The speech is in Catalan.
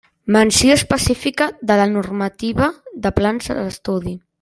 Menció específica de la normativa de plans d'estudi.